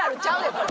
これ。